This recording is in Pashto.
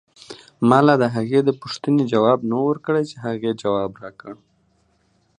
مالا دهغې دپو ښتنې ته ځواب نه و ورکړی چې هغې